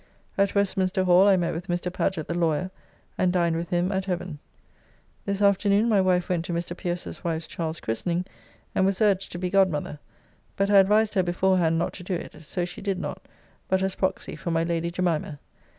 At Westminster Hall I met with Mr. Paget the lawyer, and dined with him at Heaven. This afternoon my wife went to Mr. Pierce's wife's child's christening, and was urged to be godmother, but I advised her before hand not to do it, so she did not, but as proxy for my Lady Jemimah.